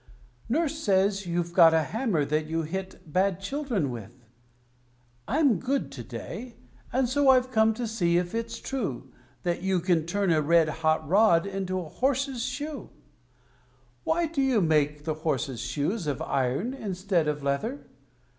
Nurse says you've got a hammer that you hit bad children with. I'm good to day, and so I've come to see if it is true That you can turn a red hot rod into a horse's shoe. Why do you make the horses' shoes of iron instead of leather?